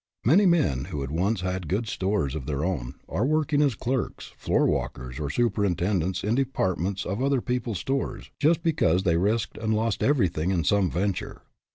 Many men who once had good stores of their own, are working as clerks, floor walkers, or superintendents of departments in other people's stores, just because they risked and lost everything in some venture.